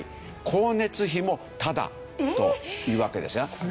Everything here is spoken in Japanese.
光熱費もタダというわけですよ。